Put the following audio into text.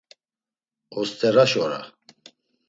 Osteraş ora.